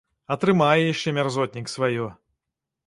Атрымае яшчэ мярзотнік сваё.